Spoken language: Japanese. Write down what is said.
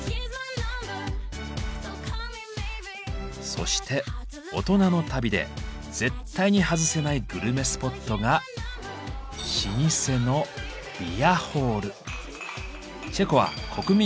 そして大人の旅で絶対に外せないグルメスポットが老舗のビアホール。